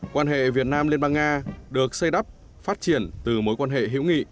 quan hệ việt nam liên bang nga được xây đắp phát triển từ mối quan hệ hữu nghị